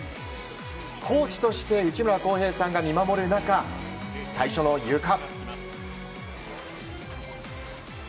コーチとして内村航平さんが見守る中最初のゆか。